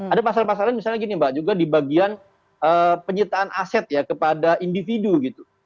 ada pasal pasal lain misalnya gini mbak juga di bagian penyitaan aset ya kepada individu gitu